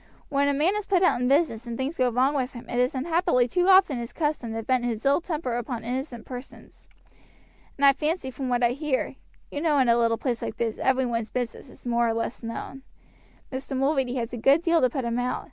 When a man is put out in business and things go wrong with him it is unhappily too often his custom to vent his ill temper upon innocent persons; and I fancy from what I hear you know in a little place like this every one's business is more or less known Mr. Mulready has a good deal to put him out.